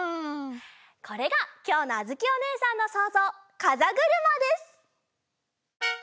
これがきょうのあづきおねえさんのそうぞうかざぐるまです！